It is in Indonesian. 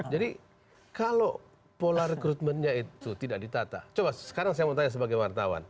jadi kalau pola rekrutmennya itu tidak ditata coba sekarang saya mau tanya sebagai wartawan